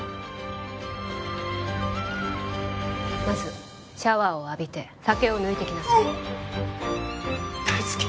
まずシャワーを浴びて酒を抜いてきなさいうおっ！